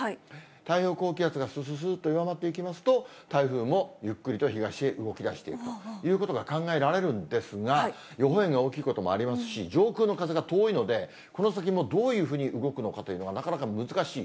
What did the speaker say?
太平洋高気圧がすすすっと弱まっていきますと、台風もゆっくりと東へ動きだしていくということが考えられるんですが、予報円が大きいこともありますし、上空の風が遠いので、この先もどういうふうに動くのかというのがなかなか難しい。